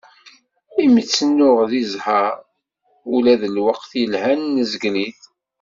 Imi tt-nuɣ di ẓẓher, ulac ; lweqt yelhan nezgel-it.